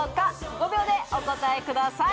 ５秒でお答えください。